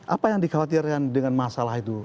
apa yang dikhawatirkan dengan masalah itu